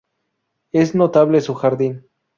Es notable su jardín.